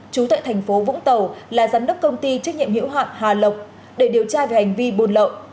trú tại thành phố vũng tàu là giám đốc công ty trách nhiệm hiệu hạn hà lộc để điều tra về hành vi buôn lậu